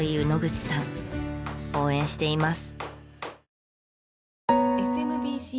応援しています。